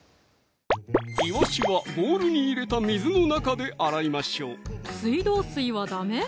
いわしはボウルに入れた水の中で洗いましょう水道水はダメ？